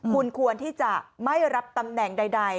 คุณควรที่จะไม่รับตำแหน่งใด